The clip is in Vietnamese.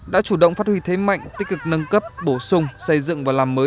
đã chủ động phát huy thế mạnh tích cực nâng cấp bổ sung xây dựng và làm mới